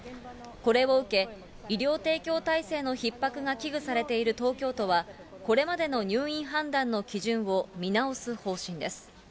これを受け、医療提供体制のひっ迫が危惧されている東京都は、これまでの入院判断の基準を見直す方針です。